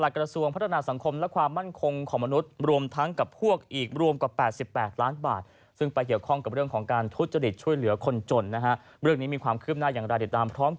ขอบคุณครับคุณกรอฟครับคุณมิ้นครับ